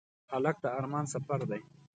هلک د ارمان سفر دی.